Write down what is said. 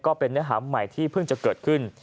ก็เป็นเนื้อหาใหม่ที่เพิ่งจะเกิดขึ้น